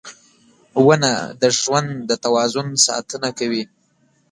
• ونه د ژوند د توازن ساتنه کوي.